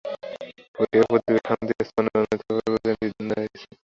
Korea উপদ্বীপে শান্তি স্থাপনে ও অর্থনৈতিক অগ্রগতিতে এ সিদ্ধান্ত নেওয়া হচ্ছে।